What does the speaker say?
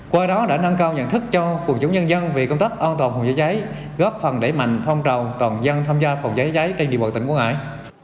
qua đó đã nâng cao nhận thức cho quần chúng nhân dân về công tác an toàn phòng cháy cháy góp phần đẩy mạnh phong trào toàn dân tham gia phòng cháy cháy trên địa bàn tỉnh quảng ngãi